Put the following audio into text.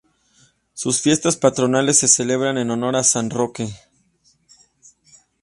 Sus fiestas patronales se celebran en honor de San Roque.